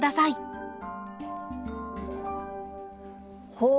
ほう。